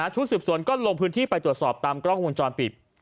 ชุดสืบสวนก็ลงพื้นที่ไปตรวจสอบตามกล้องวงจรปิด